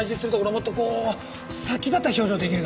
もっとこう殺気立った表情できるかな？